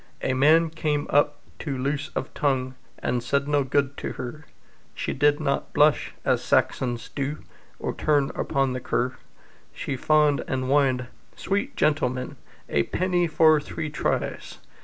A man came up, too loose of tongue, And said no good to her; She did not blush as Saxons do, Or turn upon the cur; She fawned and whined "Sweet gentleman, A penny for three tries!"